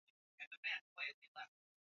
asilimia thelathini na mbili nchini Uganda